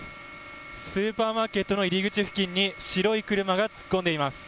スーパーマーケットの入り口付近に白い車が突っ込んでいます。